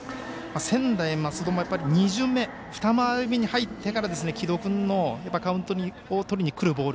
専大松戸も２巡目に入ってから城戸君のカウントをとりにくるボール